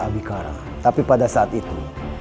abikara tapi pada saat itu